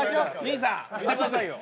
兄さんいてくださいよ。